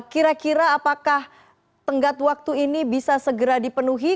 kira kira apakah tenggat waktu ini bisa segera dipenuhi